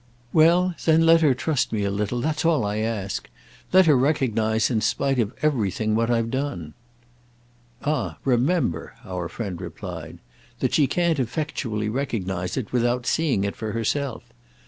"Well then let her trust me a little. That's all I ask. Let her recognise in spite of everything what I've done." "Ah remember," our friend replied, "that she can't effectually recognise it without seeing it for herself.